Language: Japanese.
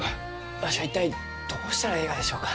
わしは一体どうしたらえいがでしょうか？